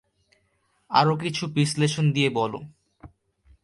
আরো কিছু বিশেষণ দিয়ে বল।